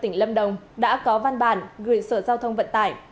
tỉnh lâm đồng đã có văn bản gửi sở giao thông vận tải